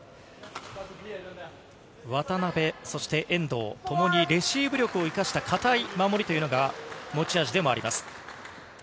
渡辺、そして遠藤、ともにレシーブ力を生かした硬い守りというのが持ち味でもあります。